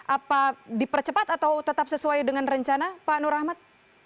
apa dipercepat atau tetap sesuai dengan rencana pak nur rahmat